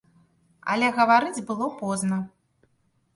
Але гаварыць было позна.